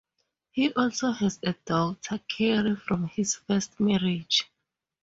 He also has a daughter, Cary, from his first marriage.